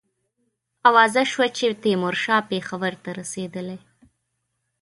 آوازه سوه چې تیمورشاه پېښور ته رسېدلی.